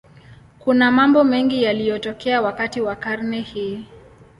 Kuna mambo mengi yaliyotokea wakati wa karne hii.